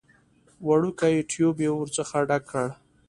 وړوکی ټيوب يې ورڅخه ډک کړ.